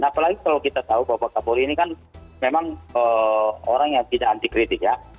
apalagi kalau kita tahu bahwa pak kapolri ini kan memang orang yang tidak anti kritik ya